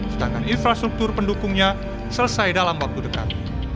sedangkan infrastruktur pendukungnya selesai dalam waktu dekat